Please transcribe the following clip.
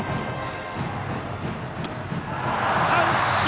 三振！